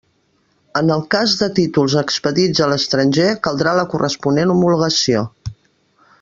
En el cas de títols expedits a l'estranger, caldrà la corresponent homologació.